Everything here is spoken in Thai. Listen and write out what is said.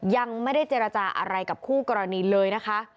ยังไม่ได้เจรจาอะไรกับคู่กรณีเลยนะคะ